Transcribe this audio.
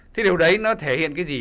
thì điều đấy nó thể hiện cái gì